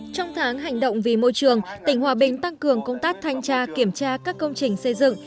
trong tháng hành động vì môi trường tỉnh hòa bình tăng cường công tác thanh tra kiểm tra các công trình xây dựng